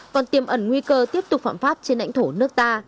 còn tiêm ẩn nguy cơ tiếp tục phạm pháp trên lãnh thổ nước ta